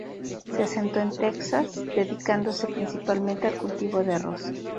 Se asentó en Texas, dedicándose principalmente al cultivo de arroz.